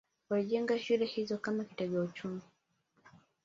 Walijenga shule hizo kama kitega uchumi